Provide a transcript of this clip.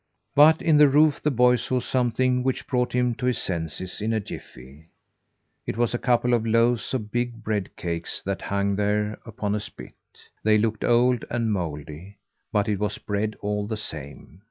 But in the roof the boy saw something which brought him to his senses in a jiffy. It was a couple of loaves of big bread cakes that hung there upon a spit. They looked old and mouldy, but it was bread all the same.